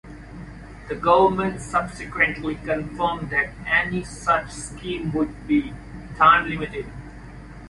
The government subsequently confirmed that any such scheme would be time limited.